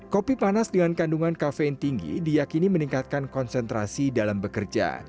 kopi panas dengan kandungan kafein tinggi diakini meningkatkan konsentrasi dalam bekerja